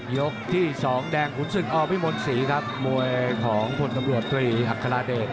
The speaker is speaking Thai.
ยกที่๒แดงศูนย์อพิมมศรีครับมวยของผลกับบรวจ๓อัคาราเดช